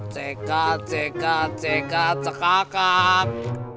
cekat cekat cekat cekakak